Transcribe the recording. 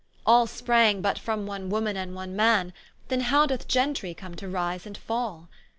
All sprang but from one woman and one man, Then how doth Gentry come to rise and fall?